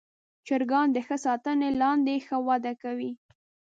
چرګان د ښه ساتنې لاندې ښه وده کوي.